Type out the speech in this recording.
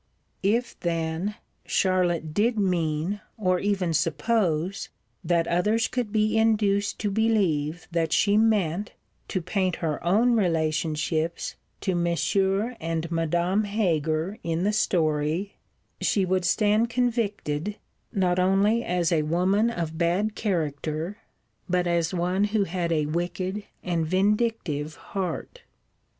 If, then, Charlotte did mean, or even suppose, that others could be induced to believe that she meant, to paint her own relationships to Monsieur and Madame Heger in the story, she would stand convicted, not only as a woman of bad character, but as one who had a wicked and vindictive heart.